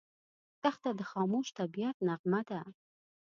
دښته د خاموش طبعیت نغمه ده.